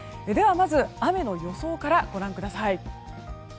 まず雨の予想からご覧ください。